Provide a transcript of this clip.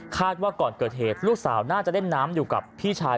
ว่าก่อนเกิดเหตุลูกสาวน่าจะเล่นน้ำอยู่กับพี่ชาย